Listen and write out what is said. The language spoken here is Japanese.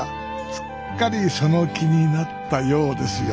すっかりその気になったようですよ